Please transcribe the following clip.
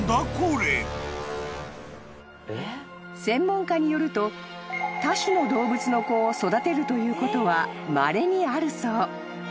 ［専門家によると他種の動物の子を育てるということはまれにあるそう］